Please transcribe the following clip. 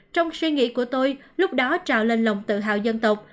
trong suy nghĩ của tôi lúc đó trào lên lòng tự hào dân tộc